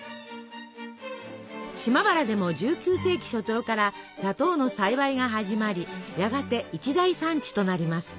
島原でも１９世紀初頭から砂糖の栽培が始まりやがて一大産地となります。